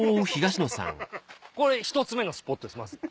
これ１つ目のスポットですまず。